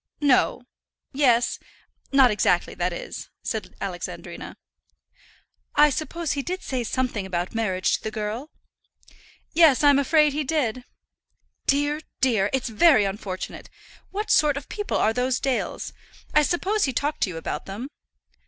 "No; yes; not exactly, that is," said Alexandrina. "I suppose he did say something about marriage to the girl?" "Yes, I'm afraid he did." "Dear, dear! It's very unfortunate. What sort of people are those Dales? I suppose he talked to you about them."